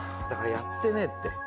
だからやってねえって。